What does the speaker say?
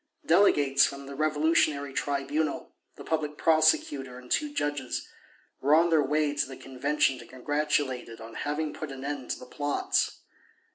Delegates from the Revolutionary Tribunal, the Public Prosecutor and two judges, were on their way to the Convention to congratulate it on having put an end to the plots.